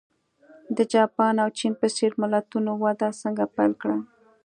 د جاپان او چین په څېر ملتونو وده څنګه پیل کړه.